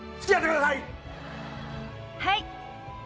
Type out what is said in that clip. はい。